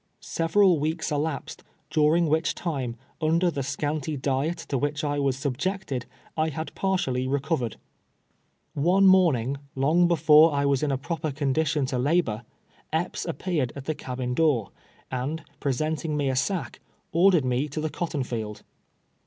Several weeks elaps ed, durinjT: which time, under the scanty diet to which I was sul)jected, I had partially recovered. One morning, long before I was in a proj)er condition to labor, Epps appeared at the cabin door, and, present ing me a sack, ordered me to the cotton field.